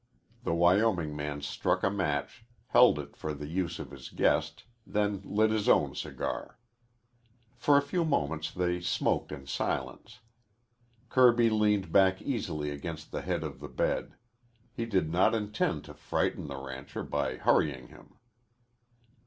The Wyoming man struck a match, held it for the use of his guest, then lit his own cigar. For a few moments they smoked in silence. Kirby leaned back easily against the head of the bed. He did not intend to frighten the rancher by hurrying him.